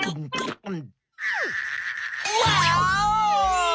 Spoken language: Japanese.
ワーオ！